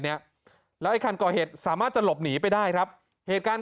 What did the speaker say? เนี้ยแล้วไอ้คันก่อเหตุสามารถจะหลบหนีไปได้ครับเหตุการณ์